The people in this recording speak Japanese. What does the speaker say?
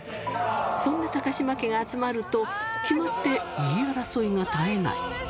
そんな高嶋家が集まると、決まって言い争いが絶えない。